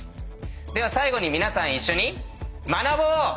では最後に皆さん一緒に学ぼう！